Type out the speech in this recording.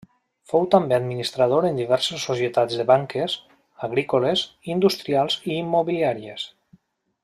Fou també administrador en diverses societats de banques, agrícoles, industrials i immobiliàries.